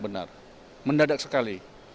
benar mendadak sekali